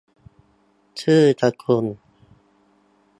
ชื่อสกุล